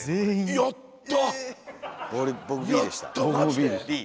やった！